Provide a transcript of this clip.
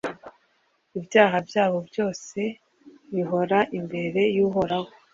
ibyaha byabo byose bihora imbere y'uhoraho